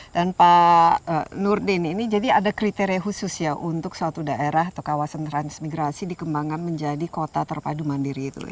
dan pak nurdin jadi ada kriteria khusus ya untuk suatu daerah atau kawasan transmigrasi dikembangkan menjadi kota terpadu mandiri itu ya